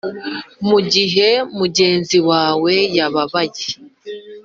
mugihe mugenzi wawe yababaye